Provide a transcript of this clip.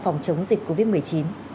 phòng chống dịch covid một mươi chín